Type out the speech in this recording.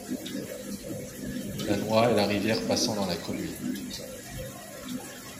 La Noye est la rivière passant dans la commune.